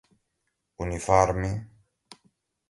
uniforme